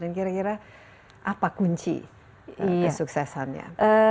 dan kira kira apa kunci kesuksesannya